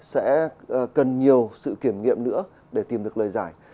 sẽ cần nhiều sự kiểm nghiệm nữa để tìm được lời giải